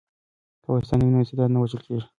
که واسطه نه وي نو استعداد نه وژل کیږي.